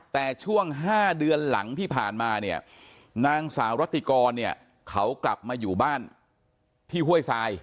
แต่ช่วง๕เดือนหลังที่ผ่านมาเนี่ยนางสาวรัติกรเนี่ยเขากลับมาอยู่บ้านที่ห้วยทราย